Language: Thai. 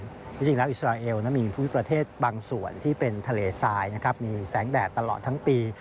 จริงแล้วอิสราเอลมีภูมิประเทศบางส่วนที่เป็นทะเลทรายนะครับมีแสงแดดตลอดทั้งปี